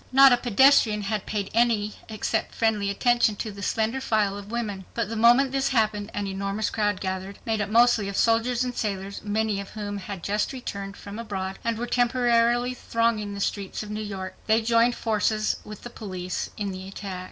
Not a pedestrian had paid any except friendly attention to the slender file of women. But the moment this happened an enormous crowd gathered, made up mostly of soldiers and sailors, many of whom had just returned from abroad and were temporarily thronging the streets of New York. They joined forces with the police in the attack.